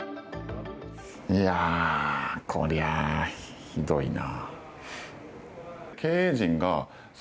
いやあ、これはひどいな。